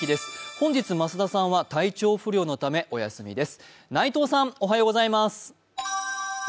本日、増田さんは体調不良のためお休みです。